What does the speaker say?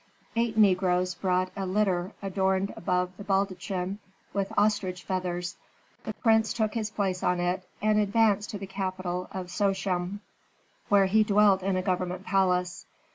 Eight negroes brought a litter adorned above the baldachin with ostrich feathers; the prince took his place in it, and advanced to the capital of Sochem, where he dwelt in a government palace.